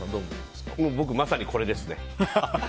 僕まさにこれですね。